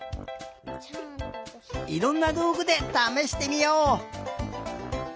いろんなどうぐでためしてみよう！